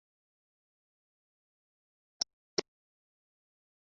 niyo mpamvu natinze amasomo ejo